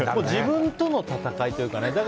自分との闘いというかね。